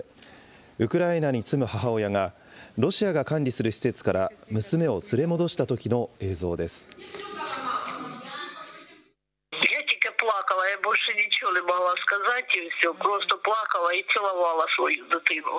ウクライナに住む母親が、ロシアが管理する施設から娘を連れ戻したときの映像です。